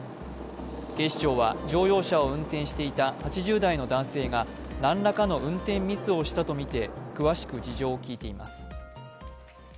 警視庁は、乗用車を運転していた８０代の男性が、何らかの運転ミスをしたとみて詳しく事情を聴いています。